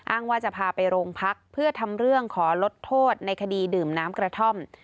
ว่าจะพาไปโรงพักเพื่อทำเรื่องขอลดโทษในคดีดื่มน้ำกระท่อม